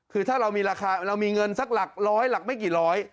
คือถ้าเรามีราคาเรามีเงินสักหลักร้อยหลักไม่กี่ร้อย